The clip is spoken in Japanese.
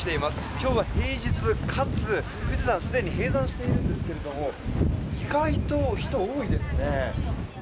今日は平日かつ富士山は既に閉鎖しているんですけれども意外と人多いですね。